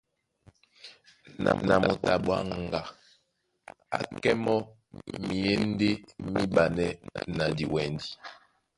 Na moto a ɓwaŋga á kɛ́ mɔ́ myěndé míɓanɛ́ na diwɛndi.